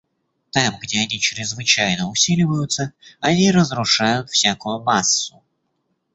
Там, где они чрезвычайно усиливаются, они разрушают всякую массу.